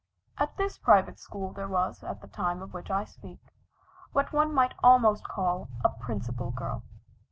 At this private school, there was, at the time of which I speak, what one might almost call a "principal girl."